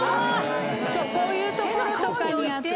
こういう所とかにやって。